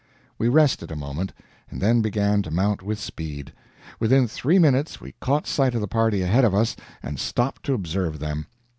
We rested a moment, and then began to mount with speed. Within three minutes we caught sight of the party ahead of us, and stopped to observe them.